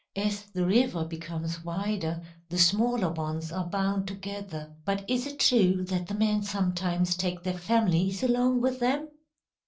As the river becomes wider, the smaller ones are bound together. But is it true that the men sometimes take their families along with them?"